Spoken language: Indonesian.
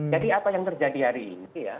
jadi apa yang terjadi hari ini ya